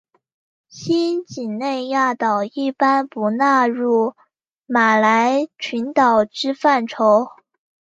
新几内亚岛一般不纳入马来群岛之范畴。